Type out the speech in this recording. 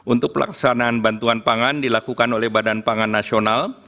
untuk pelaksanaan bantuan pangan dilakukan oleh badan pangan nasional